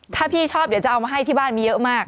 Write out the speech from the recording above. ถ้าพี่ชอบเดี๋ยวจะเอามาให้ที่บ้านมีเยอะมาก